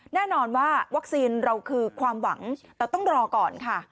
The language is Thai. แน่นอนว่าวัคซีนเราคือความหวังแต่ต้องรอก่อนค่ะ